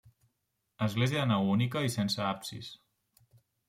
Església de nau única i sense absis.